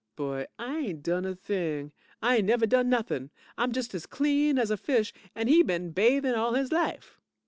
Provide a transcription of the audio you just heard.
BOY I ain't done a thing. I ain't never done nothin'. I'm just as clean as a fish, and he been bathin' all his life.